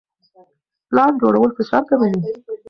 پلان جوړول فشار کموي.